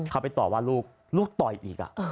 เขาไปต่อว่าลูกลูกต่อยอีก